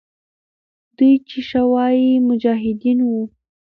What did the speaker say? دوی چې ښه وایي، مجاهدین وو.